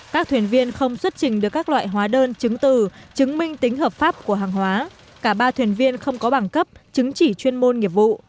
các thuyền viên không xuất trình được các loại hóa đơn chứng từ chứng minh tính hợp pháp của hàng hóa cả ba thuyền viên không có bảng cấp chứng chỉ chuyên môn nghiệp vụ